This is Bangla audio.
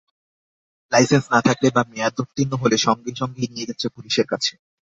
লাইসেন্স না থাকলে বা মেয়াদোত্তীর্ণ হলে সঙ্গে সঙ্গেই নিয়ে যাচ্ছে পুলিশের কাছে।